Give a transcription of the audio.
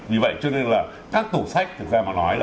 vì vậy cho nên là các tủ sách thực ra mà nói là